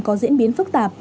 có diễn biến phức tạp